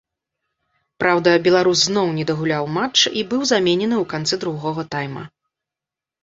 Праўда, беларус зноў не дагуляў матч і быў заменены ў канцы другога тайма.